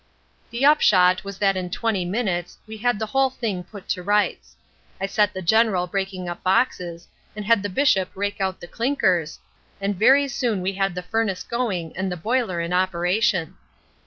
"The upshot was that in twenty minutes we had the whole thing put to rights. I set the General breaking up boxes and had the Bishop rake out the clinkers, and very soon we had the furnace going and the boiler in operation.